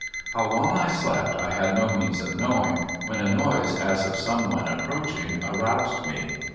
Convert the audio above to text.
How long I slept I had no means of knowing when a noise as of some one approaching aroused me.